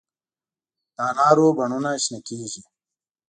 د انارو بڼونه شنه کیږي